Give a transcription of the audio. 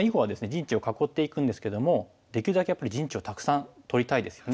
陣地を囲っていくんですけどもできるだけやっぱり陣地をたくさん取りたいですよね。